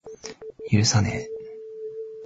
許さねぇ。